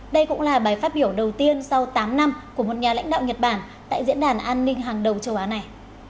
đây cũng là bài phát biểu đầu tiên sau tám năm của một nhà lãnh đạo nhật bản tại diễn đàn an ninh hàng đầu châu á này